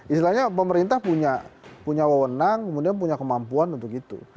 istilahnya pemerintah punya wawonang kemudian punya kemampuan dan begitu